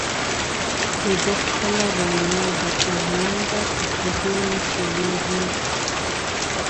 دده خپله وینا ده چې ژرنده په کوزو نه چلیږي.